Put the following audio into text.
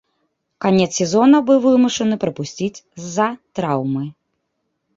Канец сезона быў вымушаны прапусціць з-за траўмы.